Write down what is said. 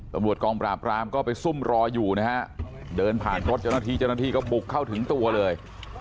ปรับบริวัติกองปราบรามก็ไปซุ่มรออยู่นะฮะเดินผ่านทศจนาทีจนาทีก็บุกเข้าถึงตัวเลย